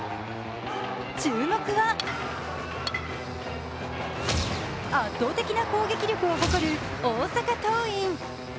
注目は圧倒的な攻撃力を誇る大阪桐蔭。